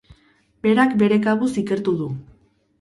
Berak bere kabuz ikertu du.